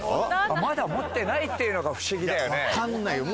まだ持ってないってのが不思議だよね。